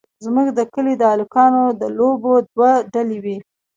زموږ د کلي د هلکانو د لوبو دوه ډلې وې.